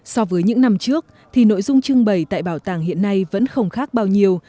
so với những năm trước thì nội dung trưng bày tại bảo tàng hiện nay vẫn không khác bao nhiêu